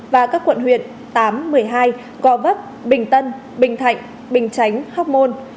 và các quận huyện tám một mươi hai gò vấp bình tân bình thạnh bình chánh hóc môn